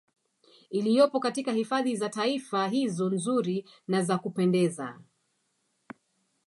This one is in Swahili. Iliyopo katika hifadhi za Taifa hizo nzuri na za kupendeza